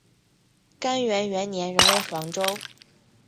干元元年仍为黄州。